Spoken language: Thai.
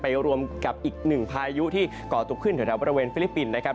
รวมกับอีกหนึ่งพายุที่ก่อตกขึ้นแถวบริเวณฟิลิปปินส์นะครับ